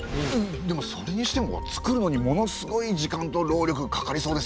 でもそれにしてもつくるのにものすごい時間と労力がかかりそうですよね。